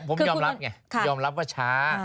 ผมยอมรับไงยอมรับว่าช้า